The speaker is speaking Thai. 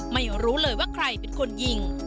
ไม่รู้เลยว่าใครเป็นคนยิง